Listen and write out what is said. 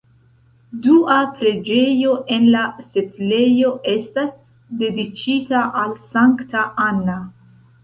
Dua preĝejo en la setlejo estas dediĉita al sankta Anna.